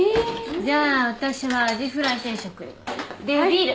じゃあ私はアジフライ定食。でビール。